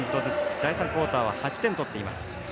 第３クオーターは８点取っています。